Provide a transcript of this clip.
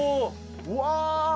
うわ！